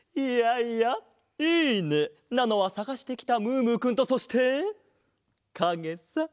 いやいや「いいね！」なのはさがしてきたムームーくんとそしてかげさ。